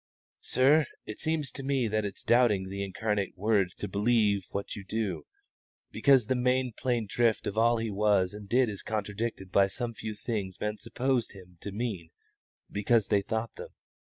"Sir, it seems to me that it's doubting the incarnate Word to believe what you do, because the main plain drift of all He was and did is contradicted by some few things men supposed Him to mean because they thought them.